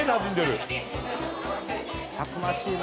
たくましいな。